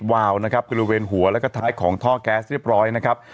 วาวนะครับบริเวณหัวแล้วก็ท้ายของท่อแก๊สเรียบร้อยนะครับ